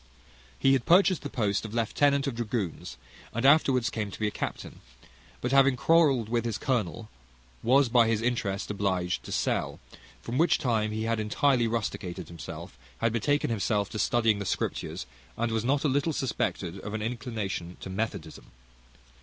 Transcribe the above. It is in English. He had purchased the post of lieutenant of dragoons, and afterwards came to be a captain; but having quarrelled with his colonel, was by his interest obliged to sell; from which time he had entirely rusticated himself, had betaken himself to studying the Scriptures, and was not a little suspected of an inclination to methodism.